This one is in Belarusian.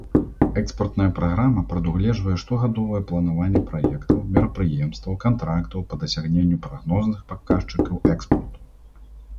Экспартная праграма прадугледжвае штогадовае планаванне праектаў, мерапрыемстваў, кантрактаў па дасягненню прагнозных паказчыкаў экспарту.